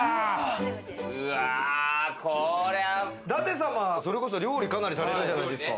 舘様、それこそ料理かなりされるじゃないですか。